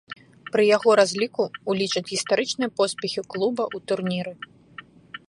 Пры яго разліку улічаць гістарычныя поспехі клуба ў турніры.